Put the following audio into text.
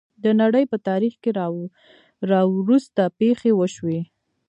د نړۍ په تاریخ کې راوروسته پېښې وشوې.